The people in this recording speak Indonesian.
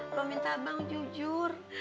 gue minta bang jujur